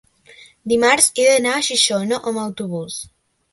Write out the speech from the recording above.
Dimarts he d'anar a Xixona amb autobús.